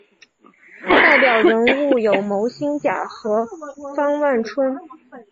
代表人物有牟兴甲和方万春。